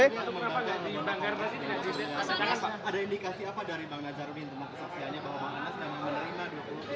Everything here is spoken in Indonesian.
ada indikasi apa dari bang nazarudin tentang kesaksiannya bahwa bang anas memang menerima dukungan